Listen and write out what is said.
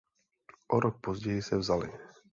O rok později se vzali.